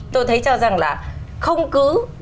tôi thấy cho rằng là không cứ